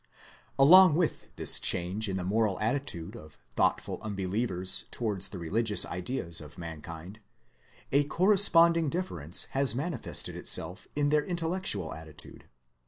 Along with this change in the moral attitude of thoughtful unbelievers towards the religious ideas of mankind, a corresponding difference has manifested itself in their intellectual attitude.